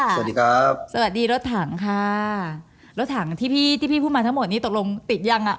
สวัสดีครับสวัสดีรถถังค่ะรถถังที่พี่ที่พี่พูดมาทั้งหมดนี้ตกลงติดยังอ่ะ